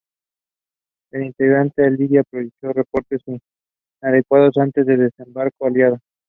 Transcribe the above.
La inteligencia aliada proveyó reportes muy inadecuados antes del desembarco aliado.